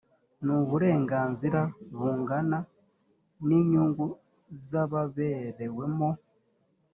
n uburenganzira bungana n inyungu z ababerewemo